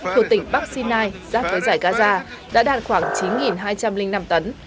thuộc tỉnh bắc sinai giáp với giải gaza đã đạt khoảng chín hai trăm linh năm tấn